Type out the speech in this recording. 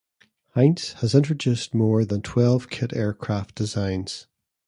Heintz has introduced more than twelve kit aircraft designs.